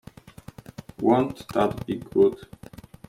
Won't that be good!